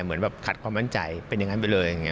เหมือนแบบขัดความมั่นใจเป็นอย่างนั้นไปเลย